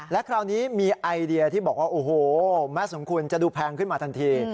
และคราวนี้มีไอเดียที่บอกว่าโอ้โหแมสของคุณจะดูแพงขึ้นมาทันที